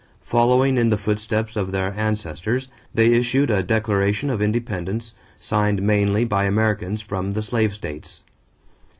Following in the footsteps of their ancestors, they issued a declaration of independence signed mainly by Americans from the slave states.